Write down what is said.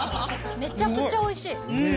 めちゃくちゃおいしい。